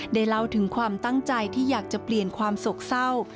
เล่าถึงความตั้งใจที่อยากจะเปลี่ยนความโศกเศร้า